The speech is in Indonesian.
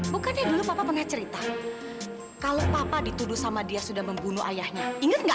bukannya dulu papa pernah cerita kalau papa dituduh sama dia sudah membunuh ayahnya ingat nggak